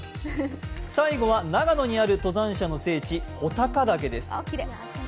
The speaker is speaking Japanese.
最後は長野にある登山者の聖地穂高岳です。